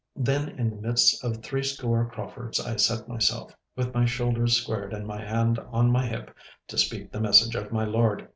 Then in the midst of three score Craufords I set myself, with my shoulders squared and my hand on my hip, to speak the message of my lord.